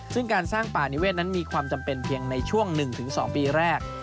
ซึ่งการสร้างป่านิเวศนั้นมีความจำเป็นเพียงในช่วง๑๒ปีแรก